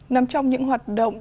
năm trong những hoạt động